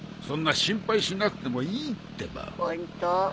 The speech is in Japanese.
そんな心配しなくてもいいってば。